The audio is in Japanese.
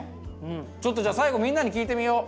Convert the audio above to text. ちょっとじゃあ最後みんなに聞いてみよう。